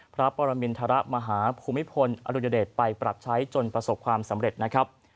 พระปรมินทรมาหาภูมิพลอดุญเดชไปปรับใช้จนประสบความสำเร็จนะครับ